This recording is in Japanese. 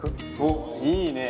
おっいいね。